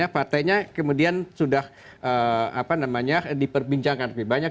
partainya kemudian sudah diperbincangkan lebih banyak